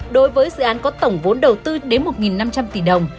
đối với dự án có tổng vốn đầu tư đến một năm trăm linh tỷ đồng